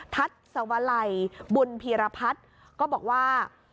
ทัศวลัยบุญพีรพัฒน์ก็บอกว่า